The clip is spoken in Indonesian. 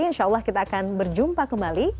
insya allah kita akan berjumpa kembali